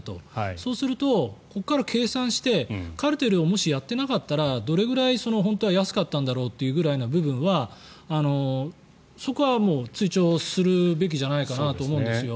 そうすると、ここから計算してカルテルをもしやってなかったらどれぐらい本当は安かったんだろうというぐらいな部分はそこは追徴するべきじゃないかなと思うんですよ。